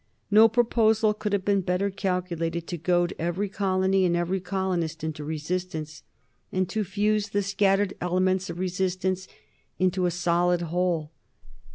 No proposal could have been better calculated to goad every colony and every colonist into resistance, and to fuse the scattered elements of resistance into a solid whole.